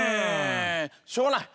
しょうがない。